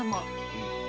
うん。